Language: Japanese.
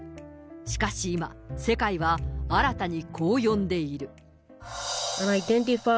しかし今、世界は新たにこう呼んでいる。